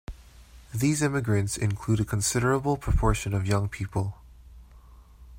These immigrants include a considerable proportion of young people.